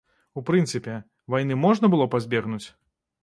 У прынцыпе, вайны можна было пазбегнуць?